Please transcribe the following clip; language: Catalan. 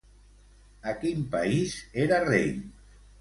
A quin país era rei?